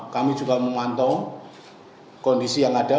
kami juga memantau kondisi yang ada